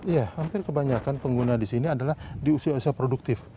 ya hampir kebanyakan pengguna di sini adalah di usia usia produktif